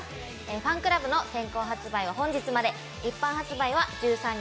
ファンクラブの先行発売は本日まで一般発売は１３日